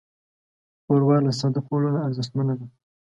ښوروا له ساده خوړو نه ارزښتمنه ده.